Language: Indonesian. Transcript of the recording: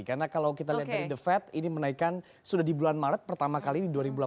karena kalau kita lihat dari the fed ini menaikkan sudah di bulan maret pertama kali di dua ribu delapan belas